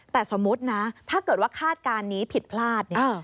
แต่สมมุตินะถ้าเกิดว่าคาดการณ์นี้ผิดพลาดเนี่ย